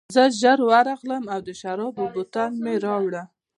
زه ژر ورغلم او د شرابو بوتل مې راوړ